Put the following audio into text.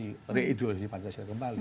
jadi reidul di pantasnya kembali